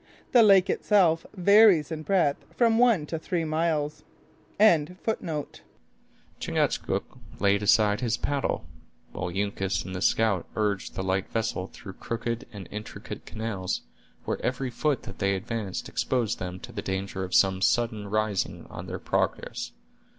The lake itself varies in breadth from one to three miles. Chingachgook laid aside his paddle; while Uncas and the scout urged the light vessel through crooked and intricate channels, where every foot that they advanced exposed them to the danger of some sudden rising on their progress.